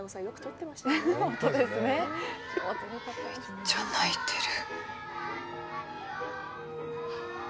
めっちゃ泣いてる。